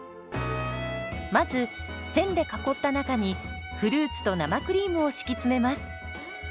まず線で囲った中にフルーツと生クリームを敷き詰めます。